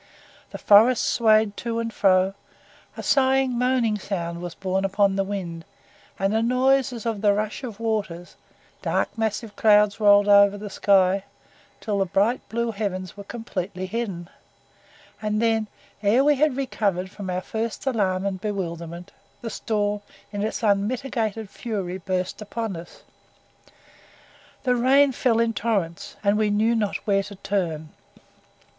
The forest swayed to and fro, a sighing moaning sound was borne upon the wind, and a noise as of the rush of waters, dark massive clouds rolled over the sky till the bright blue heavens were completely hidden, and then, ere we had recovered from our first alarm and bewilderment, the storm in its unmitigated fury burst upon us. The rain fell in torrents, and we knew not where to turn.